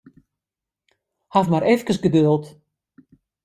Haw mar efkes geduld.